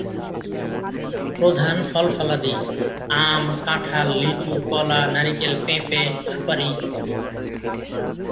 প্রধান ফল-ফলাদি আম, কাঁঠাল, লিচু, কলা, নারিকেল, পেঁপে, সুপারি।